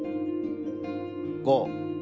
５。